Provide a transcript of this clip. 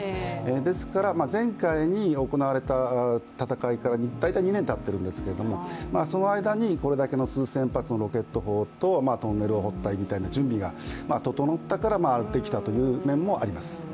ですから、前回行われた戦いから大体２年たってるんですけどその間にこれだけの数千発のロケット砲とトンネルを掘ったりみたいな準備が整ったからできたという面もあります。